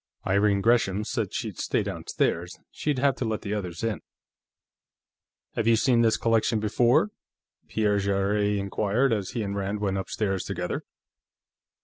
Irene Gresham said she'd stay downstairs; she'd have to let the others in. "Have you seen this collection before?" Pierre Jarrett inquired as he and Rand went upstairs together.